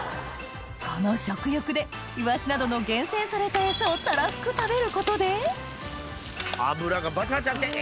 この食欲でイワシなどの厳選された餌をたらふく食べることで脂がバチバチバチバチ！